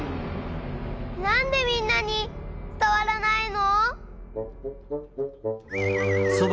なんでみんなにつたわらないの！？